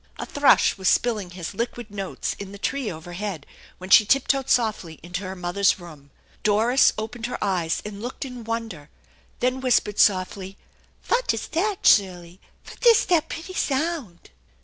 A thrush was spilling his liquid notes in the tree overhead when she tiptoed softly into her mother's room. Doris opened her eyes and looked in wonder, then whispered softly: "Vat is dat, Sirley? Vat is dat pitty sound?"